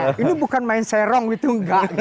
jadi saya ngecerong itu enggak